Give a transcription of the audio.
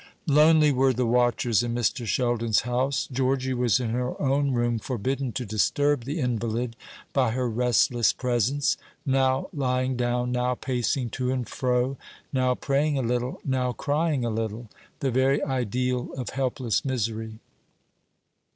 Lonely were the watchers in Mr. Sheldon's house. Georgy was in her own room, forbidden to disturb the invalid by her restless presence now lying down, now pacing to and fro, now praying a little, now crying a little the very ideal of helpless misery.